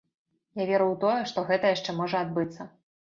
Я веру ў тое, што гэта яшчэ можа адбыцца.